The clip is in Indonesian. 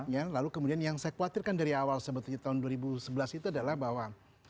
ya lalu kemudian yang saya khawatirkan dari awal sebetulnya tahun dua ribu sebelas itu adalah bahwa